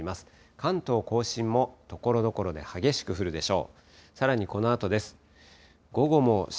関東甲信もところどころで激しく降るでしょう。